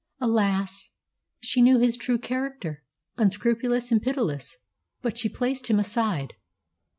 Alas! she knew his true character, unscrupulous and pitiless. But she placed him aside.